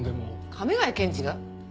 亀ヶ谷検事が？